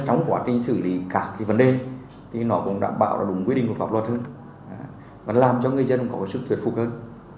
trong quá trình xử lý các vấn đề nó cũng đảm bảo đúng quy định của pháp loa thương làm cho người dân có sức thuyệt phục hơn